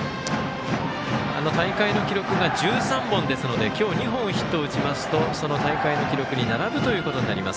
大会の記録が１３本ですので今日２本ヒットを打ちますと大会の記録に並ぶということになります